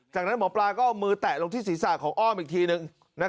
จากนั้นหมอปลาก็เอามือแตะลงที่ศีรษะของอ้อมอีกทีนึง